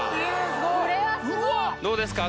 どうですか？